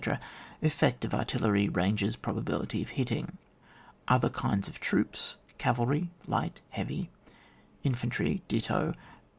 Efltect of artillery — oranges — ^probability of hitting. Other kinds of Droops. Cavalry — flight, — heavy. Infantry — do.